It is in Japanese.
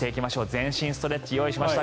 全身ストレッチを用意しました。